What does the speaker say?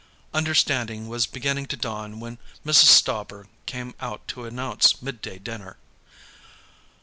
Understanding was beginning to dawn when Mrs. Stauber came out to announce midday dinner.